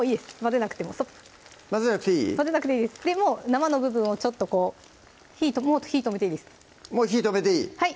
生の部分をちょっとこうもう火止めていいですもう火止めていい